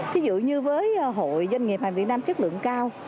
ví dụ như với hội doanh nghiệp hàn việt nam chất lượng cao